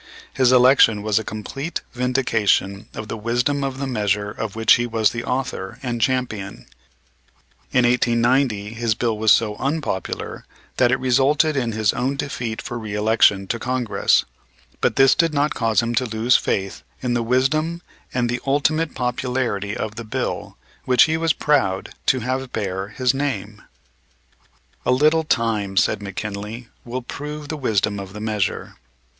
His election was a complete vindication of the wisdom of the measure of which he was the author and champion. In 1890 his bill was so unpopular that it resulted in his own defeat for reëlection to Congress. But this did not cause him to lose faith in the wisdom and the ultimate popularity of the bill which he was proud to have bear his name. "A little time," said McKinley, "will prove the wisdom of the measure."